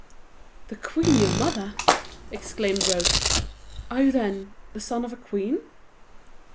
"The queen, your mother!" exclaimed Rose. "Are you, then, the son of a queen?"